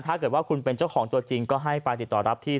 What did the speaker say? ถ้าเกิดว่าคุณเป็นเจ้าของตัวจริงก็ให้ไปติดต่อรับที่